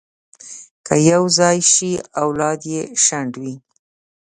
که یو ځای شي، اولاد یې شنډ وي.